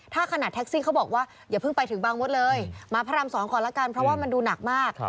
ถ้าขนาดแท็กซี่เขาบอกว่าอย่าเพิ่งไปถึงบางมดเลยมาพระราม๒ก่อนละกันเพราะว่ามันดูหนักมาก